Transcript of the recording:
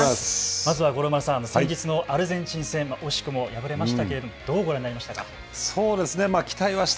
まずは五郎丸さん、先日のアルゼンチン戦惜しくも敗れましたけどどうご覧になりましたか。